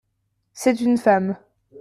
C'est une femme.